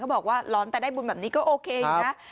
บอกว่าร้อนแต่ได้บุญแบบนี้ก็โอเคอยู่นะ